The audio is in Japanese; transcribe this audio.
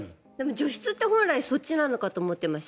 除湿って本来そっちなのかと思ってました。